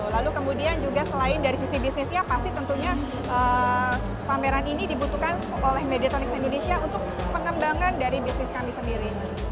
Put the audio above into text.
lalu kemudian juga selain dari sisi bisnisnya pasti tentunya pameran ini dibutuhkan oleh mediatonics indonesia untuk pengembangan dari bisnis kami sendiri